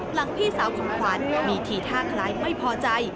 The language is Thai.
หลังพี่สาวของขวัญมีทีท่าคล้ายไม่พอใจ